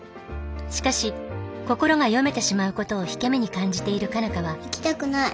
しかし心が読めてしまうことを引け目に感じている佳奈花は行きたくない。